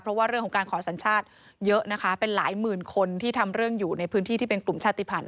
เพราะว่าเรื่องของการขอสัญชาติเยอะนะคะเป็นหลายหมื่นคนที่ทำเรื่องอยู่ในพื้นที่ที่เป็นกลุ่มชาติภัณฑ